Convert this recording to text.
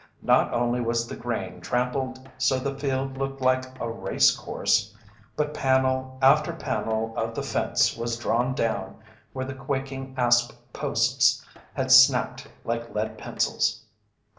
Not only was the grain trampled so the field looked like a race course, but panel after panel of the fence was down where the quaking asp posts had snapped like lead pencils.